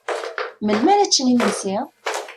Melmi ara ččen imensi?